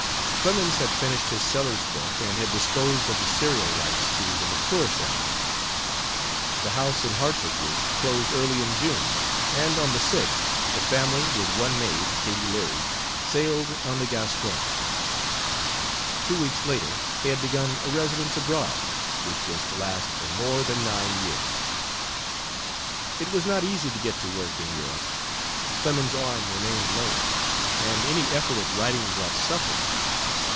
Clemens had finished his Sellers book and had disposed of the serial rights to the McClure syndicate. The house in Hartford was closed early in June, and on the 6th the family, with one maid, Katie Leary, sailed on the Gascogne. Two weeks later they had begun a residence abroad which was to last for more than nine years. It was not easy to get to work in Europe. Clemens's arm remained lame, and any effort at writing brought suffering.